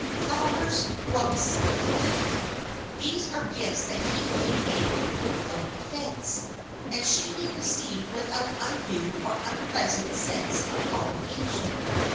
Flowers, books, candy,—these are gifts that he may make without offense, and she may receive without undue or unpleasant sense of obligation.